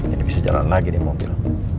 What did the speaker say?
ini bisa jalan lagi di mobil